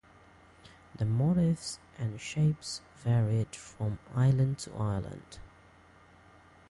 The motifs and shapes varied from island to island.